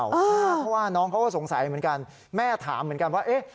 เพราะว่าน้องเขาก็สงสัยเหมือนกันแม่ถามเหมือนกันว่าเอ๊ะ